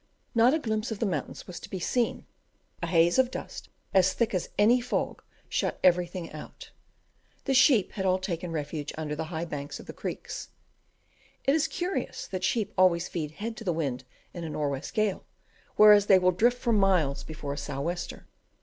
Not a glimpse of the mountains was to be seen; a haze of dust, as thick as any fog, shut everything out. The sheep had all taken refuge under the high banks of the creeks. It is curious that sheep always feed head to wind in a nor' west gale, whereas they will drift for miles before a sou' wester.